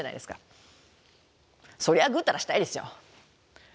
そりゃぐうたらしたいですよ。